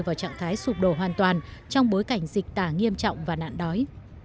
vào trạng thái sụp đổ hoàn toàn trong bối cảnh dịch tả nghiêm trọng và nạn đói